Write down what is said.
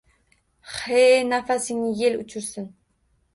He nafasingni el o`chirsin